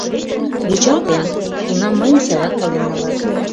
— Вучалтем, кунам мыйым сайрак пален налат.